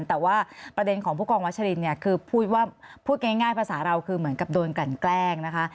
แต่ว่าประเด็นของผู้กองวัชลินเนี่ยคือพูดว่าพูดง่ายภาษาเราคือเหมือนกับโดนกันแกล้งนะคะ